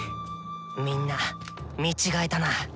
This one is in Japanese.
みんな見違えたな。